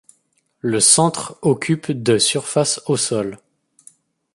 Le centre occupe de surface au sol.